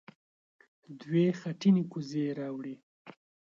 دوې خټينې کوزې يې راوړې.